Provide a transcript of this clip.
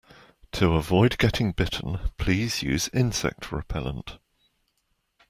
To avoid getting bitten, please use insect repellent